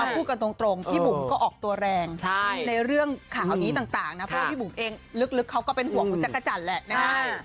พูดกันตรงพี่บุ๋มก็ออกตัวแรงในเรื่องข่าวนี้ต่างนะเพราะว่าพี่บุ๋มเองลึกเขาก็เป็นห่วงคุณจักรจันทร์แหละนะฮะ